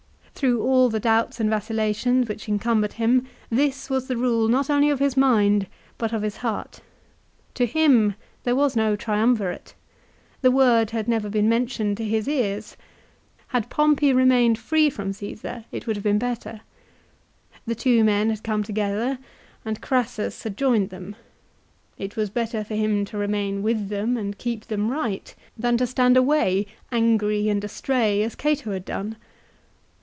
Through all the doubts and vacillations which encumbered him this was the rule not only of his mind, but of his heart. To him there was no Triumvirate. The word had never been mentioned to his ears. Had Pompey remained free from Csesar it would have been better. The two men had come together, and Crassus had joined them. It was better for him to remain with them and keep them right, than to 1 Ad Att. lib. vii. 1. " Video cum alterovinci satius esse quain cum altero vincere." 138 LIFE OF CICERO. stand away, angry and astray as Cato had done.